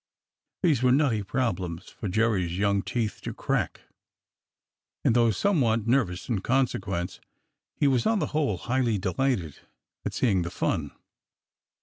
These were nutty problems for Jerry's young teeth to crack, and though some what nervous in consequence, he was on the whole highly delighted at seeing the fun.